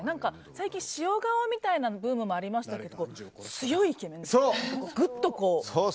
最近、塩顔みたいなブームもありましたけど強いイケメンというかぐっと、こう。